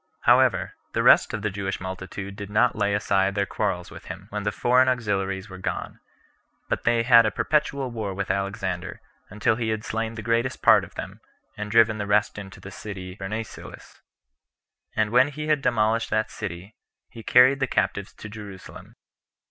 6. However, the rest of the [Jewish] multitude did not lay aside their quarrels with him, when the [foreign] auxiliaries were gone; but they had a perpetual war with Alexander, until he had slain the greatest part of them, and driven the rest into the city Berneselis; and when he had demolished that city, he carried the captives to Jerusalem.